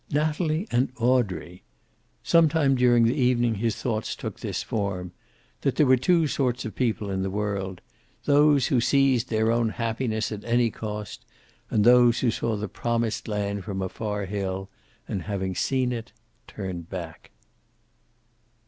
Natalie and Audrey! Some time during the evening his thoughts took this form: that there were two sorts of people in the world: those who seized their own happiness, at any cost; and those who saw the promised land from a far hill, and having seen it, turned back.